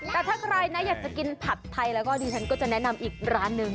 แต่ถ้าใครนะอยากจะกินผัดไทยแล้วก็ดิฉันก็จะแนะนำอีกร้านหนึ่ง